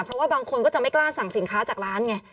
เพราะว่าบางคนก็จะไม่กล้าสั่งสินค้าจากร้านไง